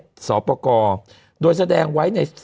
มันติดคุกออกไปออกมาได้สองเดือน